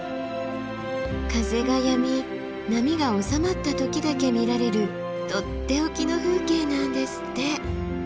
風がやみ波がおさまった時だけ見られるとっておきの風景なんですって。